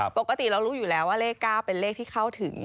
ปกติเรารู้อยู่แล้วว่าเลข๙เป็นเลขที่เข้าถึง